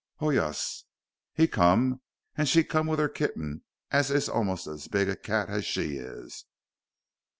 Ho, yuss! he come, and she come with her kitting, as is almost as big a cat as she is.